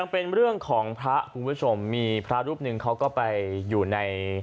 เป็นเรื่องของพระคุณผู้ชมมีพระรูปหนึ่งเขาก็ไปอยู่ใน